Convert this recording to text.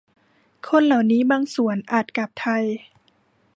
คนเหล่านี้บางส่วนอาจกลับไทย